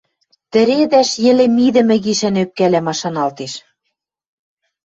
тӹредӓш йӹле мидӹмӹ гишӓн ӧпкӓлӓ машаналтеш.